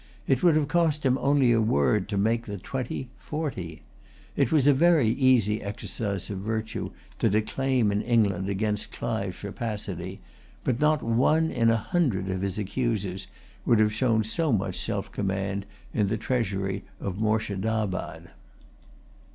It would have cost him only a word to make the twenty forty. It was a very easy exercise of virtue to declaim in England against Clive's rapacity; but not one in a hundred of his accusers would have shown so much self command in the treasury of Moorshedabad.